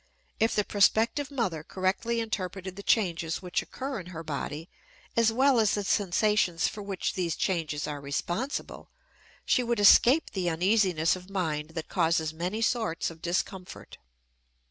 If the prospective mother correctly interpreted the changes which occur in her body, as well as the sensations for which these changes are responsible, she would escape the uneasiness of mind that causes many sorts of discomfort.